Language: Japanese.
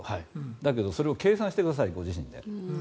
だけど、それを計算してくださいご自身で。